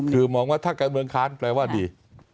คือมองว่าถ้าการเมืองค้านแปลว่าดี